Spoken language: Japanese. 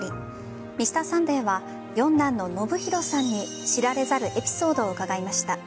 「Ｍｒ．サンデー」は四男の延啓さんに知られざるエピソードを伺いました。